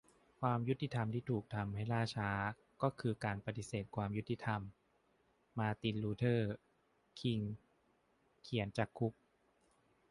"ความยุติธรรมที่ถูกทำให้ล่าช้า ก็คือการปฏิเสธความยุติธรรม" - มาร์ติน ลูเธอร์ คิง เขียนจากคุก